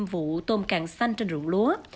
vụ tôm càng xanh trên rượu lúa